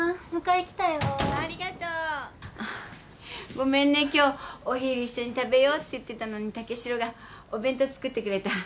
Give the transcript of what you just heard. ごめんね今日お昼一緒に食べようって言ってたのに武四郎がお弁当作ってくれた。